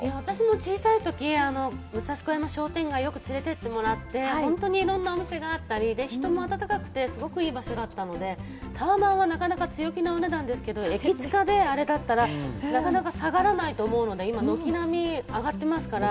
小さいとき武蔵小山商店街、よく連れて行ってもらっていろんなお店があったり、人も温かくていい場所だったので、タワマンはなかなか強気なお値段ですけど駅近であれだったら下がらないと思うので、軒並み上がってますから。